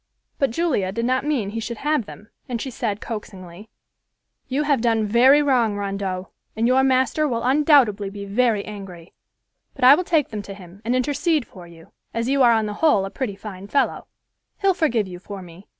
But Julia did not mean he should have them, and she said, coaxingly, "You have done very wrong, Rondeau, and your master will undoubtedly be very angry, but I will take them to him and intercede for you, as you are on the whole a pretty fine fellow. He'll forgive you for me.